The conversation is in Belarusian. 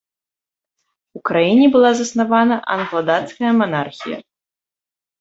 У краіне была заснавана англа-дацкая манархія.